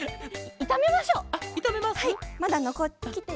いためましょう。